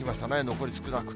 残り少なく。